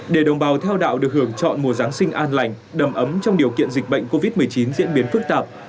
để đồng bào theo đạo được hưởng chọn mùa giáng sinh an lành đầm ấm trong điều kiện dịch bệnh covid một mươi chín diễn biến phức tạp